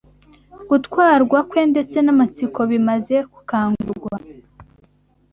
Gutwarwa kwe ndetse n’amatsiko bimaze gukangurwa